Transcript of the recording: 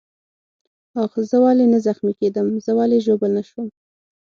آخ، زه ولې نه زخمي کېدم؟ زه ولې ژوبل نه شوم؟